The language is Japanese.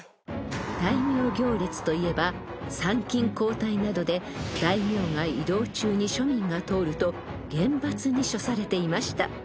［といえば参勤交代などで大名が移動中に庶民が通ると厳罰に処されていました］